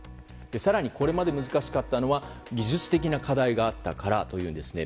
更にこれまで難しかったのは技術的な課題があったからというんですね。